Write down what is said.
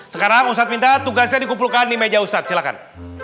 sekarang ustadz minta tugasnya dikumpulkan di meja ustadz silahkan